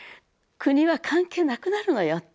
国は関係なくなるのよ。